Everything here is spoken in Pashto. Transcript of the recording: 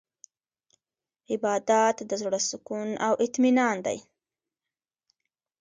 عبادت د زړه سکون او اطمینان دی.